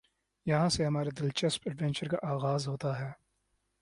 یہاں سے ہمارے دلچسپ ایڈونچر کا آغاز ہوتا ہے ۔